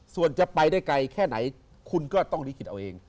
ส่วนจะไปได้ไกลแค่ไหนคุณก็ต้องลิขิตเอาเอง